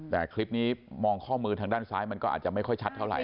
แต่คลิปนี้มองข้อมือทางด้านซ้ายมันก็อาจจะไม่ค่อยชัดเท่าไห